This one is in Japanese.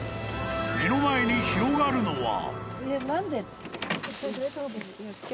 ［目の前に広がるのは］